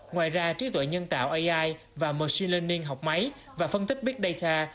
ngoài ra trí tuệ nhân tạo ai và machine learning học máy và phân tích big data